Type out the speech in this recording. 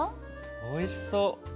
おいしそう。